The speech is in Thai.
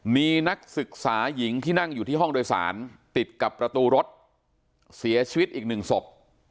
มีนักศึกษาหญิงที่นั่งอยู่ที่ห้องโดยสารติดกับประตูรถเสียชีวิตอีกหนึ่งศพ